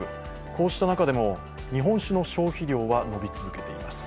こうした中でも日本酒の消費量は伸び続けています。